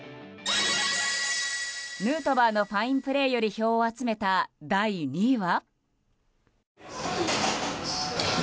ヌートバーのファインプレーより票を集めた第２位は？